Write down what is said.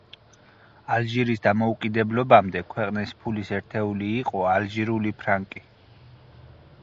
ალჟირის დამოუკიდებლობამდე ქვეყნის ფულის ერთეული იყო ალჟირული ფრანკი.